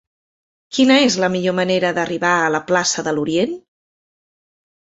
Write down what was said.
Quina és la millor manera d'arribar a la plaça de l'Orient?